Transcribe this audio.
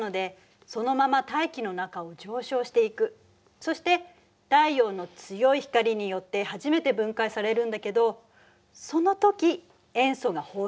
そして太陽の強い光によって初めて分解されるんだけどその時塩素が放出される。